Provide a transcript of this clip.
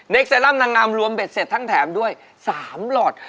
เซรั่มนางงามรวมเบ็ดเสร็จทั้งแถมด้วย๓หลอด